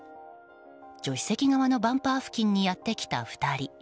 助手席側のバンパー付近にやってきた２人。